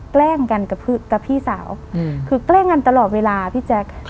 แกล้งกันกับพี่สาวคือแกล้งกันตลอดเวลาพี่แจ๊ค